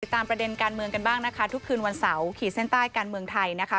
ตามประเด็นการเมืองกันบ้างนะคะทุกคืนวันเสาร์ขีดเส้นใต้การเมืองไทยนะคะ